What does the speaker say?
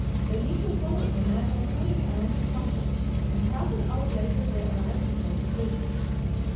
Benito, followed by Manoel, hurried along his mother, and half an hour later they arrived before the prison.